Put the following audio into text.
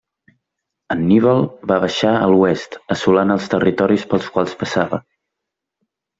Anníbal va marxar a l'oest, assolant els territoris pels quals passava.